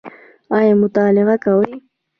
ایا مطالعه کوئ؟